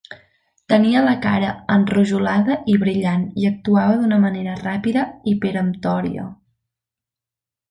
Tenia la cara enrojolada i brillant, i actuava d'una manera ràpida i peremptòria.